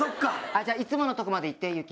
じゃあいつものとこまで行って祐樹。